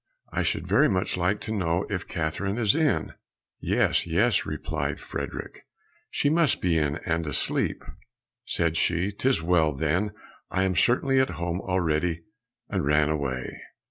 "I should very much like to know if Catherine is in?" "Yes, yes," replied Frederick, "she must be in and asleep." Said she, "'Tis well, then I am certainly at home already," and ran away.